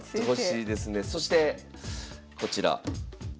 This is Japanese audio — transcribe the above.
そしてこちら。